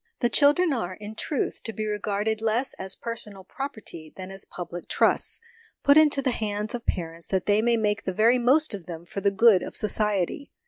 The children are, in truth, to be regarded less as personal property than as public trusts, put into the hands of parents that they may make the very most of them for the good of society.